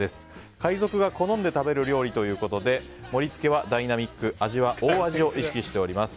海賊が好んで食べる料理ということで盛り付けはダイナミック味は大味を意識しております。